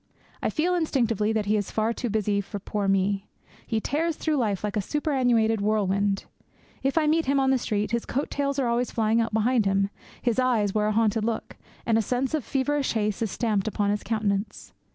I feel instinctively that he is far too busy for poor me. He tears through life like a superannuated whirlwind. If I meet him on the street, his coat tails are always flying out behind him; his eyes wear a hunted look; and a sense of feverish haste is stamped upon his countenance.